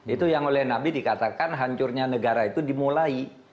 itu yang oleh nabi dikatakan hancurnya negara itu dimulai